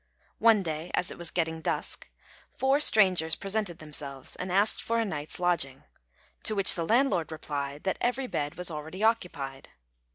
One day, as it was getting dusk, four strangers presented themselves and asked for a night's lodging; to which the landlord replied that every bed was already occupied.